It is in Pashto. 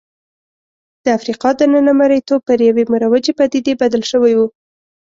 د افریقا دننه مریتوب پر یوې مروجې پدیدې بدل شوی و.